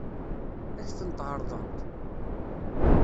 Ad k-tent-ɛeṛḍent?